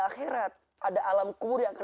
akhirat ada alam kubur yang akan